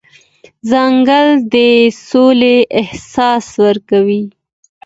ځنګل د سولې احساس ورکوي.